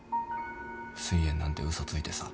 すい炎なんて嘘ついてさ。